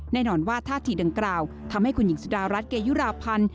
แน่นอนว่าท่าทีดังกล่าวทำให้คุณหญิงสุดารัฐเกยุราพันธ์